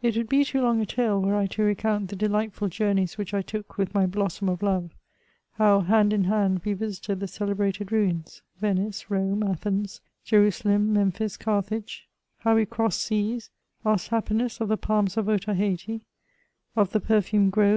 It would be too long a tale were I to recount the delightful jour neys which I took with my blossom of love ; how, hand in hand, we visited the celebrated ruins, Venice, Rome, Athens, Jerusalem, Memphis, Carthage ; how we crossed seas ; askeii happiness of the Palms of Otaheite, of the perfumed groves o.